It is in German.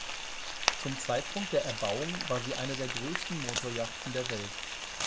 Zum Zeitpunkt der Erbauung war sie eine der größten Motoryachten der Welt.